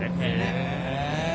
へえ。